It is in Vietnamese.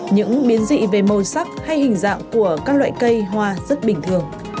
những biến dị về màu sắc hay hình dạng của các loại cây hoa rất bình thường